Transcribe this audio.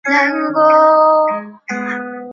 本镇位于山东与江苏两省交界处。